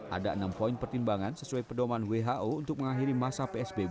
ada enam poin pertimbangan sesuai pedoman who untuk mengakhiri masa psbb